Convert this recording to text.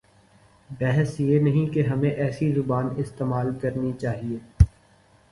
بحث یہ نہیں کہ ہمیں ایسی زبان استعمال کرنی چاہیے۔